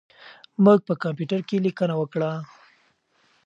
موږ په کمپیوټر کې لیکنه وکړه.